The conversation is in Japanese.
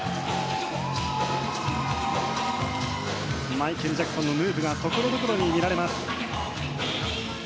マイケル・ジャクソンのムーブがところどころに見られます。